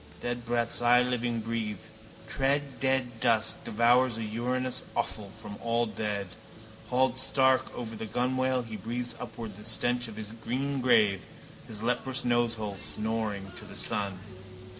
Dead breaths I living breathe, tread dead dust, devour a urinous offal from all dead. Hauled stark over the gunwale he breathes upward the stench of his green grave, his leprous nosehole snoring to the sun.